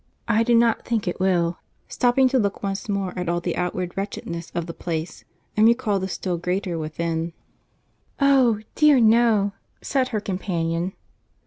"I do not think it will," stopping to look once more at all the outward wretchedness of the place, and recall the still greater within. "Oh! dear, no," said her companion.